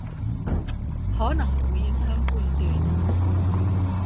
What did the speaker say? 可能會影響判斷